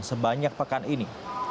sebanyak pekan ini